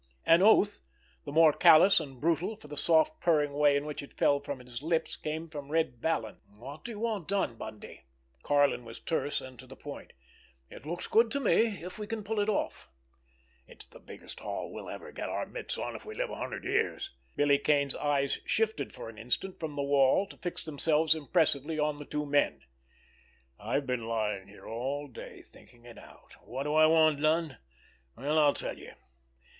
An oath, the more callous and brutal for the soft purring way in which it fell from his lips, came from Red Vallon. "What do you want done, Bundy?" Karlin was terse and to the point. "It looks good to me, if you can pull it off." "It's the biggest haul we'll ever get our mitts on if we live a hundred years!" Billy Kane's eyes shifted for an instant from the wall to fix themselves impressively on the two men. "I've been lying here all day thinking it out. What do I want done? Well, I'll tell you!